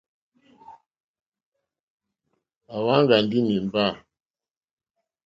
À wáŋɡà ndí nǐmbà.